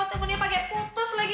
teleponnya pake putus lagi